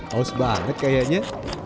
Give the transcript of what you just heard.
aus banget kayaknya